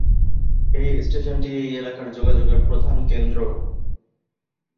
এই স্টেশনটি এই এলাকার যোগাযোগের প্রধান কেন্দ্র।